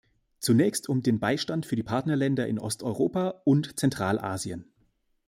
Zunächst um den Beistand für die Partnerländer in Osteuropa und Zentralasien.